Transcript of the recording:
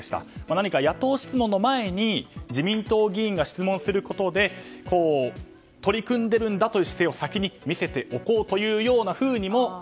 何か、野党質問の前に自民党議員が質問することで取り組んでいるんだという姿勢を先に見せておこうというようなふうにも。